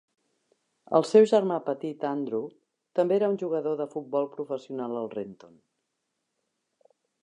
Els seu germà petit Andrew també era un jugador de futbol professional al Renton.